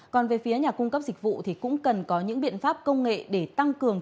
còn về phía nhà cung cấp dịch vụ thì cũng cần có những biện pháp công nghệ để tăng cường